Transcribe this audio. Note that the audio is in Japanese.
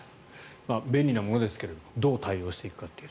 便利なものですけどどう対応していくかと。